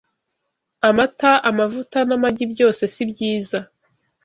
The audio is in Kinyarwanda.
amata, amavuta, n’amagi byose si byiza